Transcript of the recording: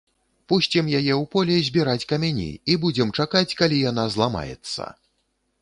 Пусцім яе ў поле збіраць камяні і будзем чакаць, калі яна зламаецца!